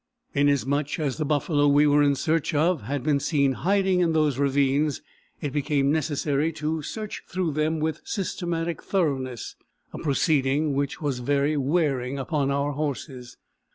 Inasmuch as the buffalo we were in search of had been seen hiding in those ravines, it became necessary to search through them with systematic thoroughness; a proceeding which was very wearing upon our horses.